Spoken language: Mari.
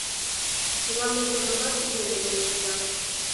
Чыла могырымат йӧным ыштыза.